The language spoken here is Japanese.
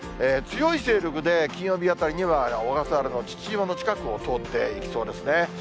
強い勢力で金曜日あたりには、小笠原の父島の近くを通っていきそうですね。